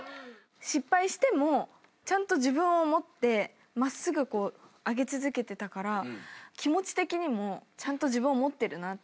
失敗してもちゃんと自分を持って真っすぐあげ続けてたから気持ち的にもちゃんと自分を持ってるなって。